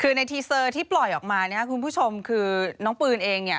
คือในทีเซอร์ที่ปล่อยออกมาคุณผู้ชมคือน้องปืนเอง